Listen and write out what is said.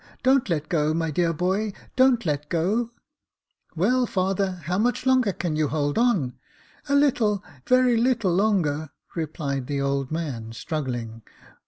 Don't let go, my dear boy — don't let go !"" Well, father, how much longer can you hold on ?"A little — very little longer," replied the old man, strugghng.